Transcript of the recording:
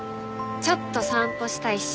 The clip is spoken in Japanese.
ちょっと散歩したいし。